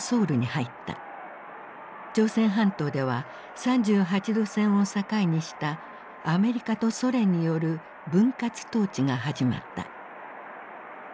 朝鮮半島では３８度線を境にしたアメリカとソ連による分割統治が始まった。